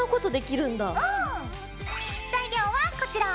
材料はこちら。